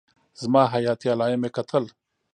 زما حياتي علايم يې کتل.